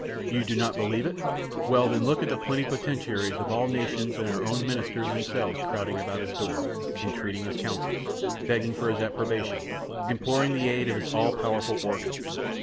You do not believe it? Well, then, look at the plenipotentiaries of all nations and our own ministers themselves crowding about his door, entreating his counsels, begging for his approbation, imploring the aid of his all powerful organ.